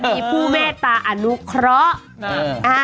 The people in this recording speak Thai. มีผู้เมตตาอนุเคราะห์